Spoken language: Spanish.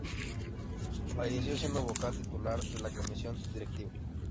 Falleció siendo vocal titular de la comisión directiva.